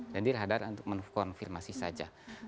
jadi radar untuk konfirmasi saja